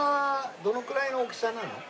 どのくらいの大きさなの？